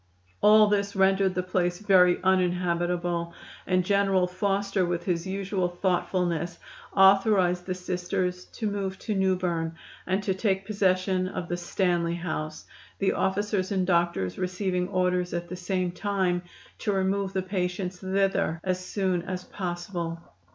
All this rendered the place very uninhabitable, and General Foster, with his usual thoughtfulness, authorized the Sisters to move to Newberne and to take possession of the Stanley House, the officers and doctors receiving orders at the same time to remove the patients thither as soon as possible.